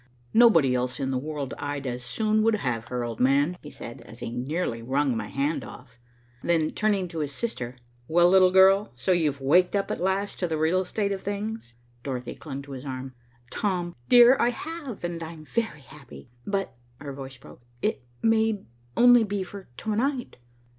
"Nobody else in the world I'd as soon would have her, old man," he said, as he nearly wrung my hand off. Then turning to his sister, "Well, little girl, so you've waked up at last to the real state of things." Dorothy clung to his arm. "Tom, dear, I have, and I am very happy, but " her voice broke. "It may only be for to night.